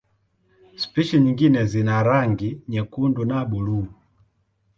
Spishi nyingine zina rangi nyekundu na buluu.